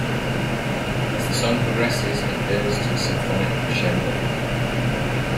As the song progresses, it builds to a symphonic crescendo.